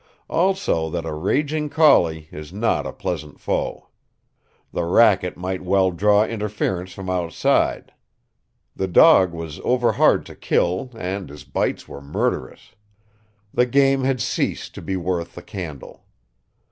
Also that a raging collie is not a pleasant foe. The racket might well draw interference from outside. The dog was overhard to kill, and his bites were murderous. The game had ceased to be worth the candle.